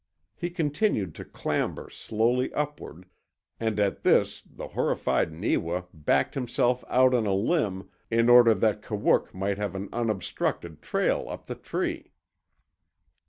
He continued to clamber slowly upward, and at this the horrified Neewa backed himself out on a limb in order that Kawook might have an unobstructed trail up the tree.